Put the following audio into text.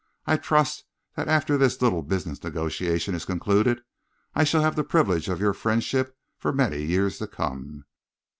"I trust that after this little business negotiation is concluded, I shall have the privilege of your friendship for many years to come."